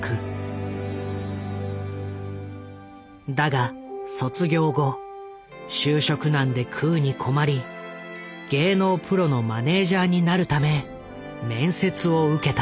だが卒業後就職難で食うに困り芸能プロのマネージャーになるため面接を受けた。